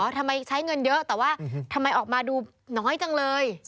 ใช้เงินเยอะแต่ว่าทำไมออกมาดูน้อยจังเลย